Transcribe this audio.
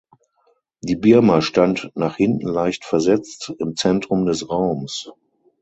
Die Bima stand (nach hinten leicht versetzt) im Zentrum des Raums.